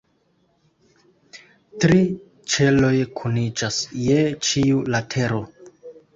Tri ĉeloj kuniĝas je ĉiu latero.